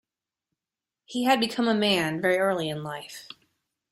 He had become a man very early in life.